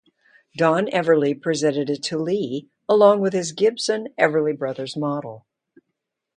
Don Everly presented it to Lee, along with his Gibson "Everly Brothers" model.